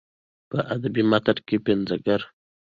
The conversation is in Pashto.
په ادبي متن کې پنځګر